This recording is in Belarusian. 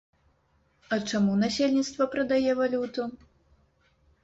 А чаму насельніцтва прадае валюту?